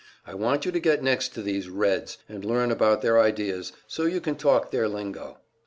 I want you to get next to these Reds, and learn about their ideas, so you can talk their lingo.